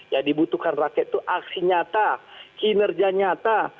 yang dibutuhkan rakyat itu aksi nyata kinerja nyata